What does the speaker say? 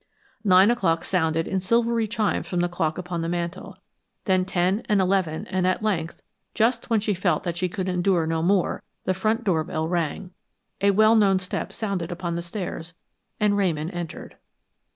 Nine o'clock sounded in silvery chimes from the clock upon the mantel; then ten and eleven and at length, just when she felt that she could endure no more, the front door bell rang. A well known step sounded upon the stairs, and Ramon entered.